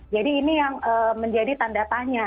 jadi ini yang menjadi tanda tanya